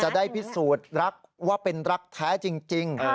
ได้พิสูจน์รักว่าเป็นรักแท้จริง